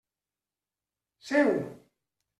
Seu!